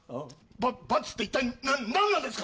罰って一体、何なんですか。